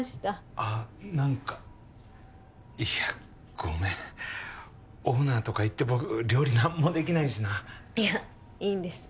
あっ何かいやごめんオーナーとかいって僕料理何もできないしないやいいんです